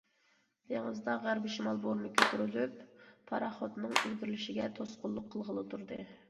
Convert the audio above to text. دېڭىزدا غەربىي شىمال بورىنى كۆتۈرۈلۈپ پاراخوتنىڭ ئىلگىرىلىشىگە توسقۇنلۇق قىلغىلى تۇردى.